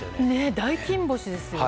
大金星ですよね。